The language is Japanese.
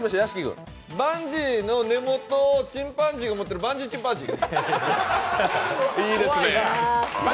バンジーの根元をチンパンジーが持ってるバンジーチンパンジー？